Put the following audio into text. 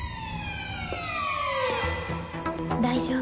大丈夫。